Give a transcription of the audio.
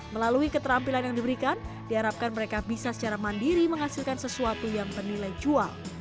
melalui keterampilan yang diberikan diharapkan mereka bisa secara mandiri menghasilkan sesuatu yang bernilai jual